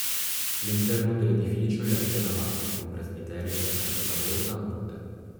L'interno dell'edificio è a tre navate con presbiterio coperto da volta a botte.